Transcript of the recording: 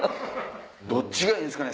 どっちがいいんすかね？